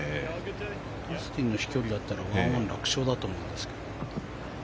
ダスティンの飛距離だったら１オン楽勝だと思うんですけど。